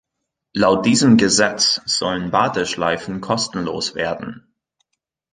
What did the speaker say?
Laut diesem Gesetz sollen Warteschleifen kostenlos werden.